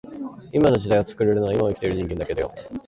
今の時代を作れるのは今を生きている人間だけだよ